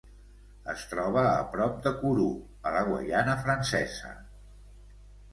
Es troba a prop de Kourou, a la Guaiana Francesa.